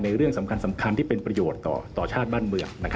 เรื่องสำคัญที่เป็นประโยชน์ต่อชาติบ้านเมือง